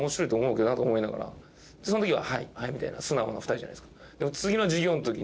その時は「はいはい」みたいな素直な２人じゃないですか。